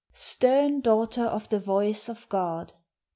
Stern daughter of the voice of God!